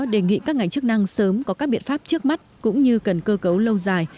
đề nghị các ngành chức năng sớm có các biện pháp trước mắt cũng như cần cơ cấu lâu dài